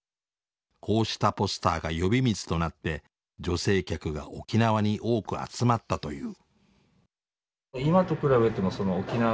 こうしたポスターが呼び水となって女性客が沖縄に多く集まったという。